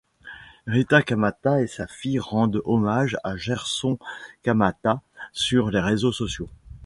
Rita Camata et sa fille rendent hommage à Gerson Camata sur les réseaux sociaux.